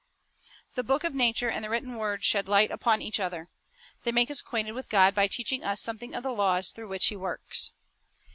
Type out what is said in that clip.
The book of nature and the written word shed light upon each other. They make us acquainted with God by teaching us something of the laws through which He works.